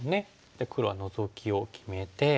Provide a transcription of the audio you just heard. じゃあ黒はノゾキを決めて。